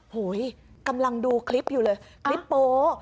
โหยกำลังดูคลิปอยู่เลยคลิปโป๊